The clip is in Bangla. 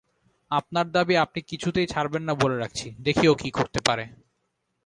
আপনার দাবি আপনি কিছুতেই ছাড়বেন না বলে রাখছি, দেখি ও কী করতে পারে।